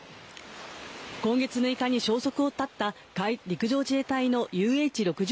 今月６日に消息を絶った陸上自衛隊のＵＨ‐６０